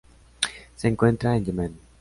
Se encuentra en Yemen.